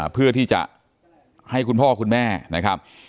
เพื่อที่จะให้คุณพ่อคุณแม่นะครับ